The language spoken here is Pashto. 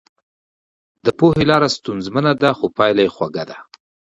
د پوهي لاره ستونزمنه ده خو پايله يې خوږه ده.